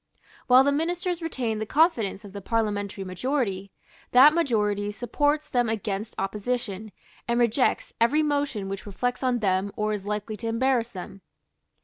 While the Ministers retain the confidence of the parliamentary majority, that majority supports them against opposition, and rejects every motion which reflects on them or is likely to embarrass them.